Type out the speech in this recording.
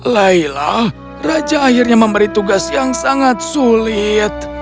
laila raja akhirnya memberi tugas yang sangat sulit